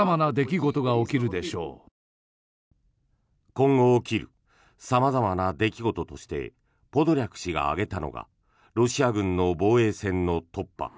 今後起きる様々な出来事としてポドリャク氏が挙げたのがロシア軍の防衛線の突破。